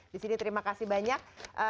di sini terima kasih banyak